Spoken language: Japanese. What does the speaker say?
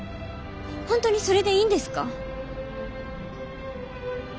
本当にそれでいいんですか？